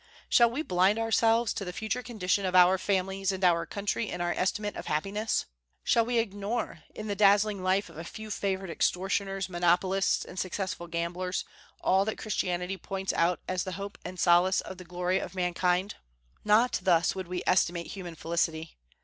Shall we blind ourselves to the future condition of our families and our country in our estimate of happiness? Shall we ignore, in the dazzling life of a few favored extortioners, monopolists, and successful gamblers all that Christianity points out as the hope and solace and glory of mankind? Not thus would we estimate human felicity.